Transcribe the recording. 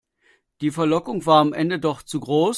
Die Verlockung war am Ende doch zu groß.